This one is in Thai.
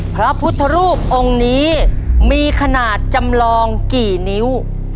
พระพุทธรูปองค์นี้มีขนาดจำลองกี่นิ้ว